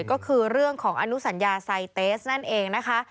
ก็คือเรื่องของอนุสัญญาไซเตสนั่นเองนะคะ